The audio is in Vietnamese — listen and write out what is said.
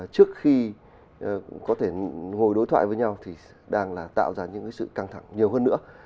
trước khi có thể ngồi đối thoại với nhau thì đang là tạo ra những sự căng thẳng nhiều hơn nữa